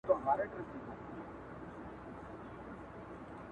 او ورته ووایه چې زه داسې نه یم